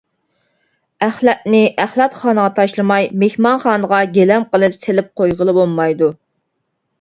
ئەخلەتنى ئەخلەتخانىغا تاشلىماي مېھمانخانىغا گىلەم قىلىپ سېلىپ قويغىلى بولمايدۇ.